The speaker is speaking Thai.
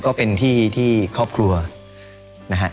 ก็เป็นที่ที่ครอบครัวนะฮะ